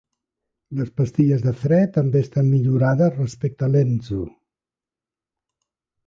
Les pastilles de fre també estan millorades respecte a l'Enzo.